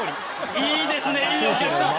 いいですねいいお客さん。